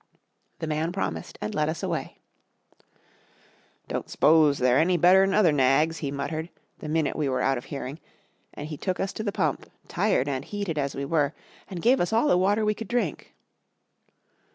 The man promised and led us away. "Don't s'pose they're any better'n other nags," he muttered, the minute we were out of hearing, and he took us to the pump, tired and heated as we were, and gave us all the water we could drink.